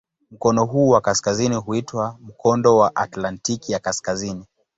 Mkono huu wa kaskazini huitwa "Mkondo wa Atlantiki ya Kaskazini".